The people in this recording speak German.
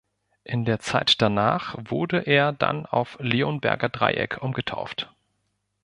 In der Zeit danach wurde er dann auf "Leonberger Dreieck" umgetauft.